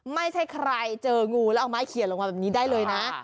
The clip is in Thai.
ไม่ใช่ใครเจองูแล้วเอาไม้เขียนลงมาแบบนี้ได้เลยนะ